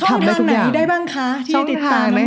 ช่องทางไหนได้บ้างคะที่ยังติดตามน้องน้ำ